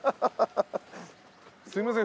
すいません。